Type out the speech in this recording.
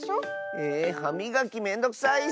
えはみがきめんどくさいッス！